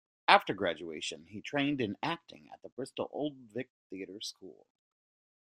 After graduation he trained in acting at the Bristol Old Vic Theatre School.